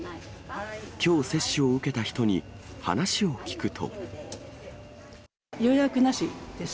きょう接種を受けた人に、話を聞くと。